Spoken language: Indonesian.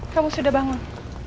kamu sudah bangun